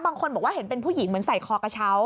บางคนบอกว่าเห็นเป็นผู้หญิงเหมือนใส่คอกระเช้า